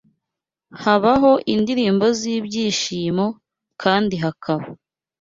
habaho indirimbo z’ibyishimo kandi hakaba